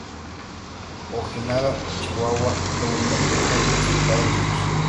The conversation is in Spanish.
Ojinaga, Chihuahua frente al templo de Nuestro Padre Jesús.